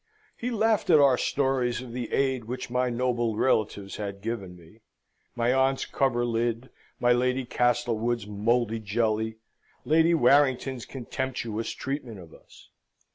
He laughed at our stories of the aid which my noble relatives had given me my aunt's coverlid, my Lady Castlewood's mouldy jelly, Lady Warrington's contemptuous treatment of us.